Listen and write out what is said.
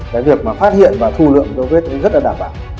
cái việc mà phát hiện và thu lượng dấu vết rất là đảm bảo